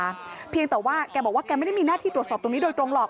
เพียงแต่ว่าแกบอกว่าแกไม่ได้มีหน้าที่ตรวจสอบตรงนี้โดยตรงหรอก